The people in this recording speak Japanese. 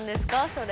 それ。